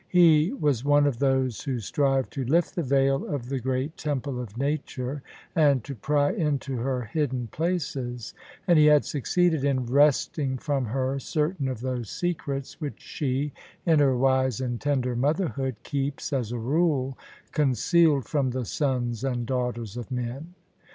He was one of those who strive to lift the veil of the great temple of Nature and to pry into her hidden places; and he had succeeded in wresting from her certain of those secrets, which she, in her wise and tender motherhood, keeps, as a rule, concealed from the sons and daughters of men.